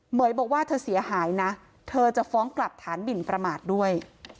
เหยบอกว่าเธอเสียหายนะเธอจะฟ้องกลับฐานหมินประมาทด้วย